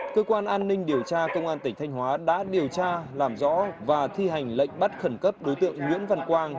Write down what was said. cơ quan an ninh điều tra công an tỉnh thanh hóa đã điều tra làm rõ và thi hành lệnh bắt khẩn cấp đối tượng nguyễn văn quang